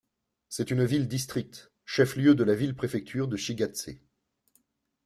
C'est une ville-district, chef-lieu de la ville-préfecture de Shigatsé.